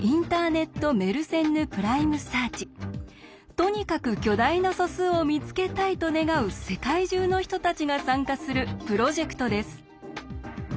とにかく巨大な素数を見つけたいと願う世界中の人たちが参加するプロジェクトです。